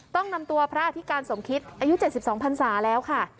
ต้องนำตัวพระอธิการสมคิตอายุ๗๒พันศาแล้วค่ะ